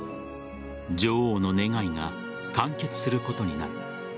女王の願いが完結することになる。